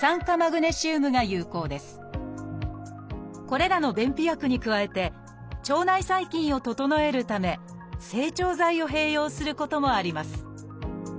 これらの便秘薬に加えて腸内細菌を整えるため整腸剤を併用することもあります。